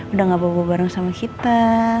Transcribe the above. udah gak bawa bareng sama kita